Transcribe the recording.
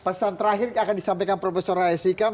pesan terakhir akan disampaikan prof raisi kam